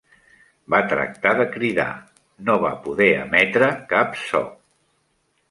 Va tractar de cridar; no va poder emetre cap so.